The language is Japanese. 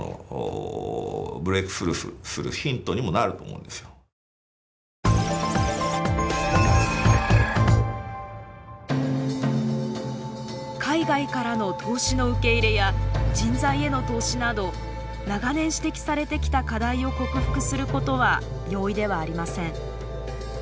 そこはすごい名越スタジオに入って一つのその海外からの投資の受け入れや人材への投資など長年指摘されてきた課題を克服することは容易ではありません。